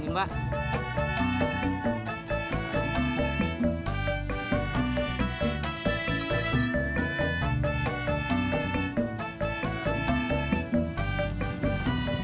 udah pak jam